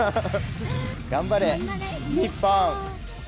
頑張れ日本！